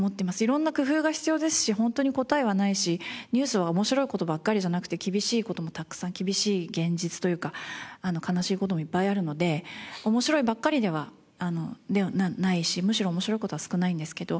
色んな工夫が必要ですし本当に答えはないしニュースは面白い事ばかりじゃなくて厳しい事もたくさん厳しい現実というか悲しい事もいっぱいあるので面白いばっかりではないしむしろ面白い事は少ないんですけど。